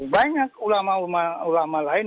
banyak ulama ulama lain